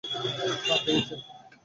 হ্যাঁ, পেয়েছে।